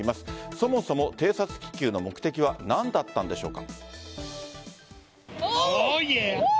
そもそも偵察気球の目的は何だったんでしょうか。